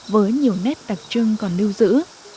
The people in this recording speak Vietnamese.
với nhiều nét đặc trưng còn lưu giữ